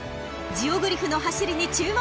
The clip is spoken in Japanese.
［ジオグリフの走りに注目］